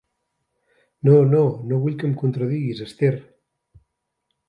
No, no, no vull que em contradiguis, Esther!